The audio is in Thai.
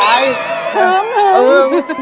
มันมีสาเหตุใช่ไหมคุณ